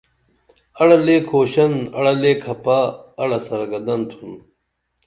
اڑہ لے کھوشن اڑہ لے کھپہ اڑہ سرگردن تُھن